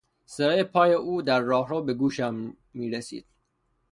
صدای پای او در راهرو به گوشم میرسید.